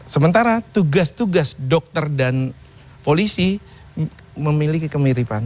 sementara tugas tugas dokter dan polisi memiliki kemiripan